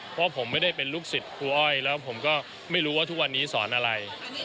เพราะผมไม่ได้เป็นลูกศิษย์ครูอ้อยแล้วผมก็ไม่รู้ว่าทุกวันนี้สอนอะไร